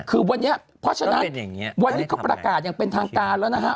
คือวันนี้เพราะฉะนั้นวันนี้เขาประกาศอย่างเป็นทางการแล้วนะฮะ